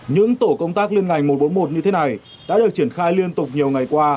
những tổ công tác liên ngành một trăm bốn mươi một như thế này đã được triển khai liên tục nhiều ngày qua